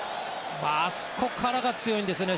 あそこからが強いんですよね